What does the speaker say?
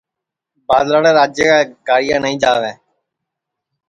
بادلاڑے راجے کا گاریا نائی جاوے